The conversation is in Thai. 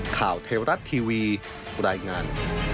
ข่าวเทวรัฐทีวีรายงาน